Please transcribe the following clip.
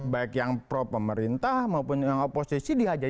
baik yang pro pemerintah maupun yang oposisi diajarin